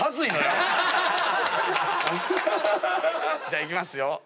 じゃあいきますよ。